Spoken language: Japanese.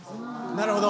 なるほど。